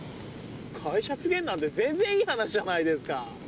会社継げるなんて全然いい話じゃないですか。